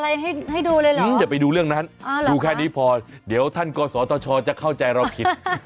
อย่าไปดูเรื่องนั้นดูแค่นี้พอเดี๋ยวท่านก่อสอตชจะเข้าใจเราผิด